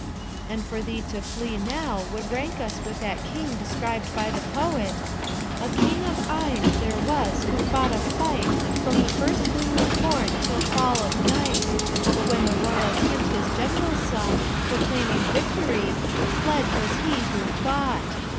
And for us to flee now would rank us with that King described by the poet: "A king of Ind there was who fought a fight From the first gleam of morn till fall of night; But when the royal tent his generals sought, Proclaiming victory, fled was he who fought.